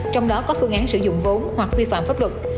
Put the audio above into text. trong đó có phương án sử dụng vốn hoặc vi phạm pháp luật